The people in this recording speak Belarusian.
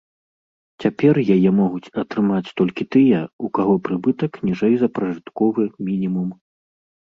Цяпер яе могуць атрымаць толькі тыя, у каго прыбытак ніжэй за пражытковы мінімум.